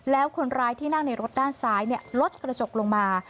แล้วคนร้ายที่นั่งในรถด้านซ้ายลดกระจกลงมา